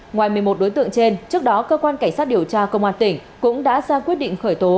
ngoài một mươi một đối tượng trên trước đó cơ quan cảnh sát điều tra công an tỉnh cũng đã ra quyết định khởi tố